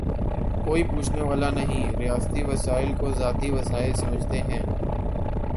کوئی پوچھنے والا نہیں، ریاستی وسائل کوذاتی وسائل سمجھتے ہیں۔